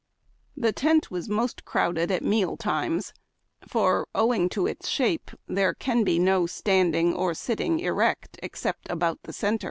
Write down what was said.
The tent was most crowded at meal times, for, owing to its shape, there can be no standing or sitting erect except about the centre.